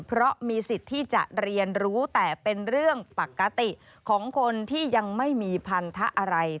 เพราะมีสิทธิ์ที่จะเรียนรู้แต่เป็นเรื่องปกติของคนที่ยังไม่มีพันธะอะไร